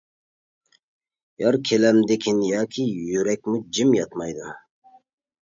يار كېلەمدىكىن ياكى، يۈرەكمۇ جىم ياتمايدۇ.